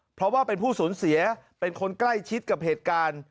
เพราะว่าเป็นผู้สูญเสียเป็นคนใกล้ชิดกับเหตุการณ์